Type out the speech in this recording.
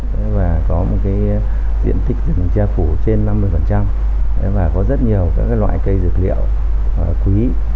quảng ninh có diện tích trà phủ trên năm mươi có rất nhiều loại cây dược liệu quý